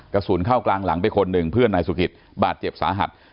กระสุนเข้ากลางหลังไปคนหนึ่งเพื่อนนายสุกิตบาดเจ็บสาหัส